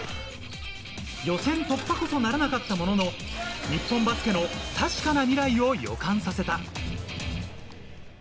予選突破こそならなかったものの、日本バスケの確かな未来を予感させた。